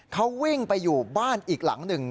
เขาวิ่งไปอยู่บ้านอีกหลังหนึ่ง